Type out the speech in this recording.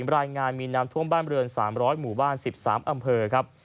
รายงานมีน้ำท่วมบ้านเรือน๓๐๐หมู่บ้าน๑๓อำเภอครับ